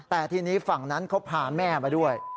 แต่ทีนี้ฝั่งนั้นเขาพาแม่มาด้วย